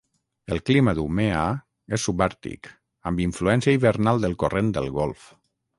El clima d'Umeå és subàrtic, amb influència hivernal del Corrent del Golf.